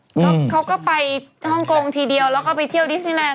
เขาก็ไปฮ่องกงทีเดียวแล้วก็ไปเที่ยวดิสนิแลนด